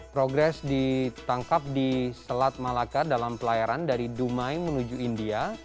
progres ditangkap di selat malaka dalam pelayaran dari dumai menuju india